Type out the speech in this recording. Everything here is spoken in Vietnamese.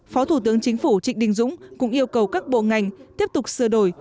phó thủ tướng chính phủ trịnh đình dũng cũng yêu cầu các bộ ngành tiếp tục sửa đổi